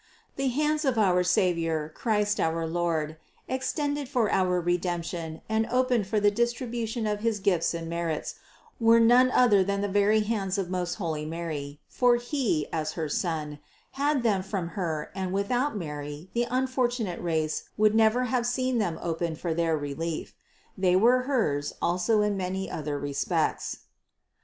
The hands of our Savior, Christ our Lord, extended for our Redemption and opened for the dis tribution of his gifts and merits, were none other than the very hands of most holy Mary ; for He, as her Son, had them from Her and without Mary the unfortunate race would never have seen them opened for their relief. They were hers also in many other respects.